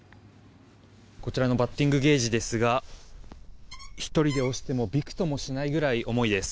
こちらのバッティングケージですが１人で押してもびくともしないぐらい重いです。